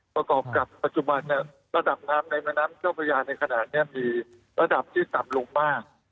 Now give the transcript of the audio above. ประกอบกับปัจจุบันระดับน้ำในแม่น้ำเจ้าพระยาในขณะนี้มีระดับที่ต่ำลงมาก